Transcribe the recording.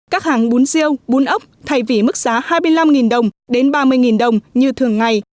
các hàng bún rêu bún ốc thay vì mức giá hai mươi năm đồng đến ba mươi đồng như thường ngày